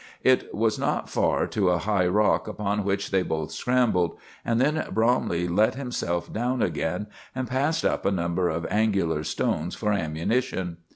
It was not far to a high rock upon which they both scrambled, and then Bromley let himself down again, and passed up a number of angular stones for ammunition.